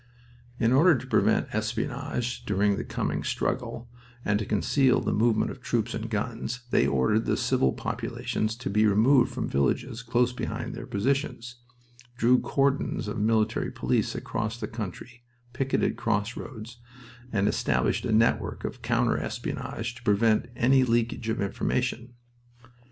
In order to prevent espionage during the coming struggle, and to conceal the movement of troops and guns, they ordered the civil populations to be removed from villages close behind their positions, drew cordons of military police across the country, picketed crossroads, and established a network of counter espionage to prevent any leakage of information.